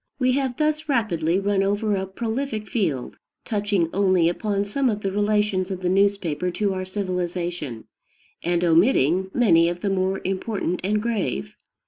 We have thus rapidly run over a prolific field, touching only upon some of the relations of the newspaper to our civilization, and omitting many of the more important and grave.